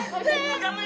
頑張れ！